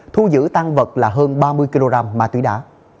thu giữ tăng vật là hơn ba mươi kg ma túy đá